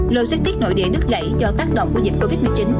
ba logistics nội địa đứt gãy do tác động của dịch covid một mươi chín